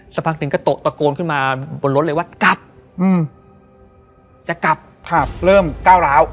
สักพักหนึ่งก็ตะโกนขึ้นมาบนรถเลยว่ากลับจะกลับเริ่มก้าวร้าว